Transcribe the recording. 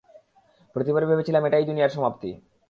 প্রতিবারই ভেবেছিলাম, এটাই দুনিয়ার সমাপ্তি।